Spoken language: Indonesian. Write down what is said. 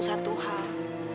kamu harus tahu satu hal